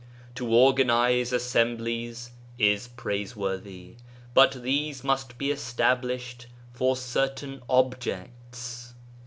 To organize assemblies is praiseworthy, but these must be established for certain objects.